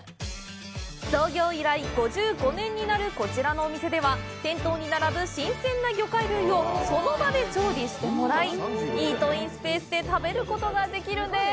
創業以来５５年になるこちらのお店では店頭に並ぶ新鮮な魚介類をその場で調理してもらい、イートインスペースで食べることができるんです。